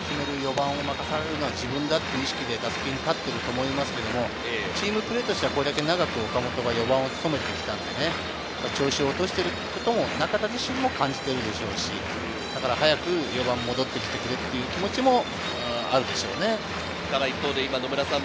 ４番を任されるのは自分だっていう意識で打席に立ってると思いますけれど、チームプレーとしては、これだけ長く岡本が４番を務めてきたので、調子を落としてることも中田自身も感じてるでしょうし、早く４番に戻ってきてくれっていう気持ちもあるでしょうね。